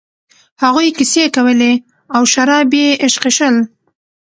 هغوی کیسې کولې او شراب یې ایشخېشل.